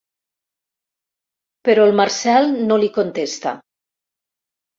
Però el Marcel no li contesta.